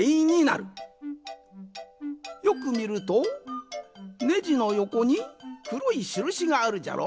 よくみるとネジのよこにくろいしるしがあるじゃろ？